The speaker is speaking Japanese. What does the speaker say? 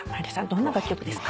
どんな楽曲ですか？